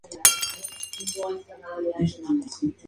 Actualmente es Presidenta del Partido Proyecto Popular.